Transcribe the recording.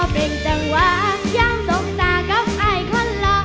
เป็นจังหวะยังทรงตากับไอควันละ